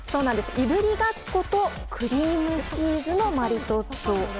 いぶりがっことクリームチーズのマリトッツォ。